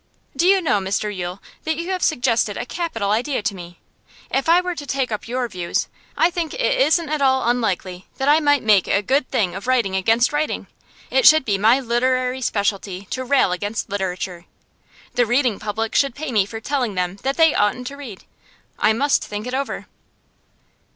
'Do you know, Mr Yule, that you have suggested a capital idea to me? If I were to take up your views, I think it isn't at all unlikely that I might make a good thing of writing against writing. It should be my literary specialty to rail against literature. The reading public should pay me for telling them that they oughtn't to read. I must think it over.